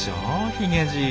ヒゲじい。